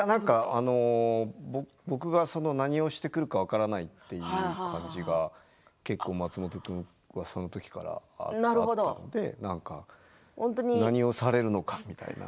僕が何をしてくるか分からないという感じが結構、松本君がその時からあったので何をされるのかみたいな。